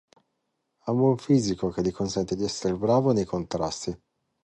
Ha un buon fisico che gli consente di essere bravo nei contrasti.